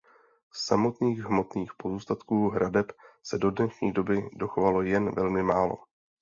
Samotných hmotných pozůstatků hradeb se do dnešní doby dochovalo jen velmi málo.